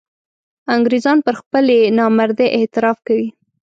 انګرېزان پر خپلې نامردۍ اعتراف کوي.